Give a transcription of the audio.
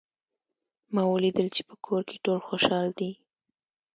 ما ولیدل چې په کور کې ټول خوشحال دي